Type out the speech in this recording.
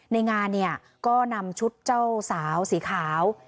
ในงานเนี่ยก็นำชุดเจ้าสาวสีขาว